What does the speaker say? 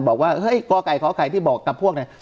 บอกว่าเฮ้ยกไก่กไข่ที่บอกกับพวกเนี่ย